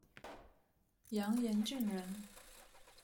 杨延俊人。